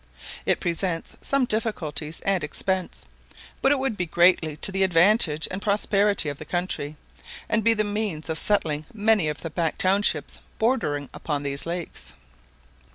It presents some difficulties and expense, but it would be greatly to the advantage and prosperity of the country, and be the means of settling many of the back townships bordering upon these lakes.